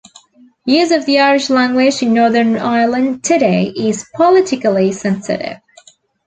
Use of the Irish language in Northern Ireland today is politically sensitive.